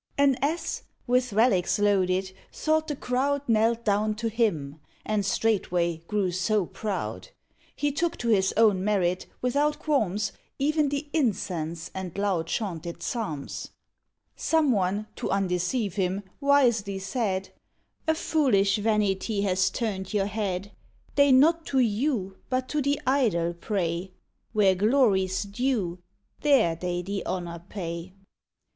An Ass, with relics loaded, thought the crowd Knelt down to him, and straightway grew so proud; He took to his own merit, without qualms, Even the incense and loud chaunted psalms, Some one, to undeceive him, wisely said "A foolish vanity has turned your head: They not to you, but to the idol pray; Where glory's due, there they the honour pay."